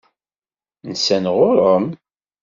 Nsan ɣur-m?